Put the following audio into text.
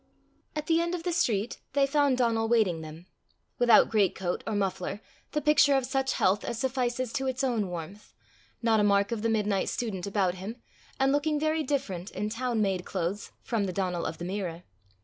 At the end of the street, they found Donal waiting them without greatcoat or muffler, the picture of such health as suffices to its own warmth, not a mark of the midnight student about him, and looking very different, in town made clothes, from the Donal of the mirror.